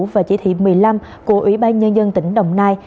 và chỉ thị một mươi năm của ủy ban nhân dân tỉnh đồng nai